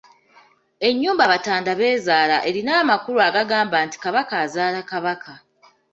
Ennyumba Batandabeezaala erina amakulu agagamba nti Kabaka azaala Kabaka.